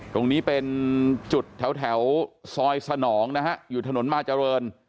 ตรงนี้เป็นจุดแถวซอยสนองนะฮะอยู่ถนนมาเจริญ